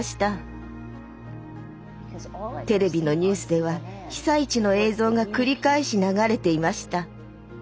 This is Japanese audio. テレビのニュースでは被災地の映像が繰り返し流れていました。